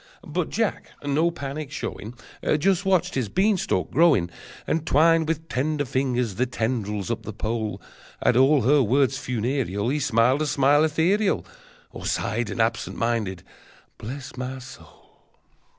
But Jack, no panic showing, Just watched his beanstalk growing, And twined with tender fingers the tendrils up the pole. At all her words funereal He smiled a smile ethereal, Or sighed an absent minded "Bless my soul!"